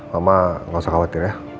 mama nggak usah khawatir ya